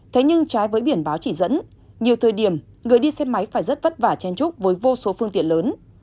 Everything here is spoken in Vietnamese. thế nhưng trái với biển báo chỉ dẫn nhiều thời điểm người đi xe máy phải rất vất vả chen trúc với vô số phương tiện lớn